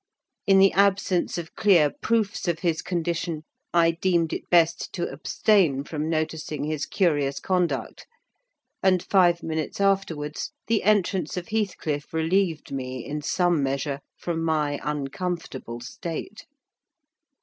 In the absence of clear proofs of his condition, I deemed it best to abstain from noticing his curious conduct; and, five minutes afterwards, the entrance of Heathcliff relieved me, in some measure, from my uncomfortable state.